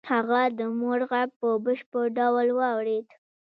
هغه د مور غږ په بشپړ ډول واورېد